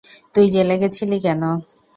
তুই জেলে গেছিলি কেন?